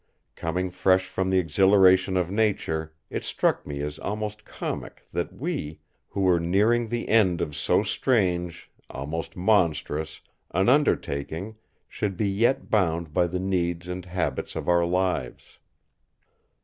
Coming fresh from the exhilaration of nature, it struck me as almost comic that we, who were nearing the end of so strange—almost monstrous—an undertaking, should be yet bound by the needs and habits of our lives.